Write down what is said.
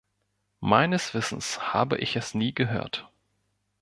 Meines Wissens habe ich es nie gehört.